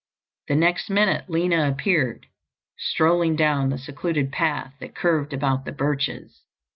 The next minute Lina appeared, strolling down the secluded path that curved about the birches.